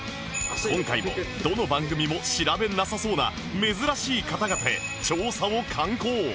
今回もどの番組も調べなさそうな珍しい方々へ調査を敢行